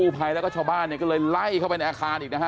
ตอนที่ได้ตัวเนี่ยฮะ